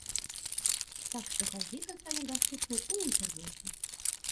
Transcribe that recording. Так што газета стане даступнай у інтэрнэце.